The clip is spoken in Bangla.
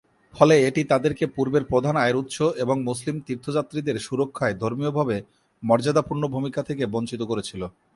ফলে এটি তাঁদেরকে পূর্বের প্রধান আয়ের উৎস এবং মুসলিম তীর্থযাত্রীদের সুরক্ষায় ধর্মীয়ভাবে মর্যাদাপূর্ণ ভূমিকা থেকে বঞ্চিত করেছিল।